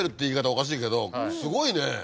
おかしいけどすごいね！